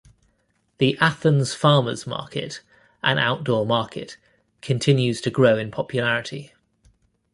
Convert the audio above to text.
The Athens Farmers Market, an outdoor market, continues to grow in popularity.